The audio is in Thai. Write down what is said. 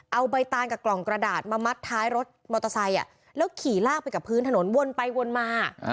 เอาใบตานกับกล่องกระดาษมามัดท้ายรถมอเตอร์ไซค์แล้วขี่ลากไปกับพื้นถนนวนไปวนมา